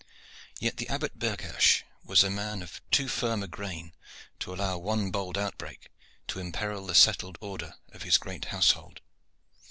Yet the Abbot Berghersh was a man of too firm a grain to allow one bold outbreak to imperil the settled order of his great household.